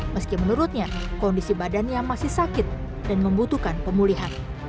meski menurutnya kondisi badannya masih sakit dan membutuhkan pemulihan